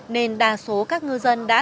nên đa số các ngư dân đã